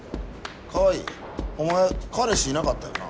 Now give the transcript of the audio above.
川合お前彼氏いなかったよな？